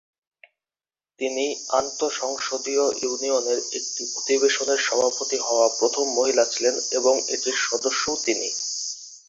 তিনি আন্তঃসংসদীয় ইউনিয়নের একটি অধিবেশনের সভাপতি হওয়া প্রথম মহিলা ছিলেন এবং এটির সদস্যও তিনি।